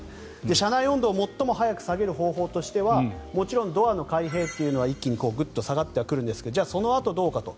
車内温度を最も早く下げる方法としてはもちろんドアの開閉は一気にグッと下がってはくるんですがじゃあ、そのあとどうかと。